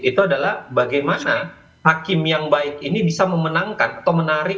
itu adalah bagaimana hakim yang baik ini bisa memenangkan atau menarik